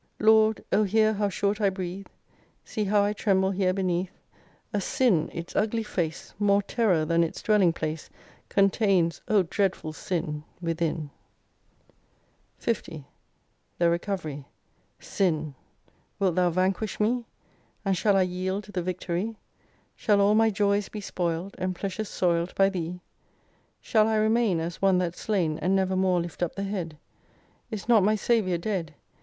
49 Lord! O hear how short I breathe ! See how I tremble here beneath A Sin ! Its ugly face More terror, than its dwelling place Contains (O dreadful Sin !) Within ! 50 THE RECOVERY Sin ! wilt thou vanquish me ? And shall I yield the victory ? Shall all my joys be spoil'd, And pleasures soU'd By thee ? Shall I remain As one that's slain And never more lift up the head ? Is not my Saviour dead